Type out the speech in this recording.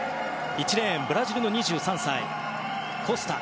１レーン、ブラジルの２３歳コスタ。